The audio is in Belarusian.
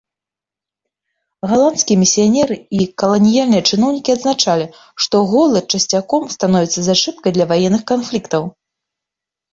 Галандскія місіянеры і каланіяльныя чыноўнікі адзначалі, што голад часцяком становіцца зачэпкай для ваенных канфліктаў.